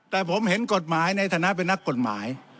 แต่ผมเห็นกฎหมายในฐานะเป็นนักกฎหมาย